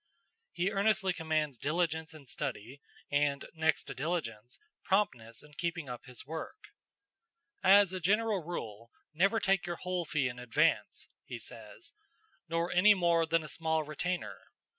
He earnestly commends diligence in study, and, next to diligence, promptness in keeping up his work. "As a general rule, never take your whole fee in advance," he says, "nor any more than a small retainer.